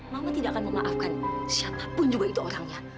mama tidak akan memaafkan siapapun juga itu orangnya